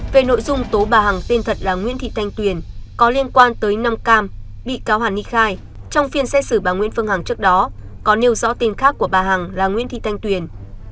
về nội dung tố bà hằng tên thật là nguyễn thị thanh tuyền có liên quan tới năm cam bị cáo hàn ni khai trong phiên xét xử bà nguyễn phương hằng trước đó có nêu rõ tên khác của bà hằng là nguyễn thị thanh tuyền